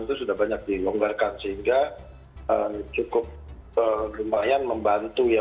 itu sudah banyak dilonggarkan sehingga cukup lumayan membantu ya